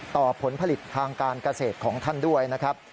ผลผลิตทางการเกษตรของท่านด้วยนะครับ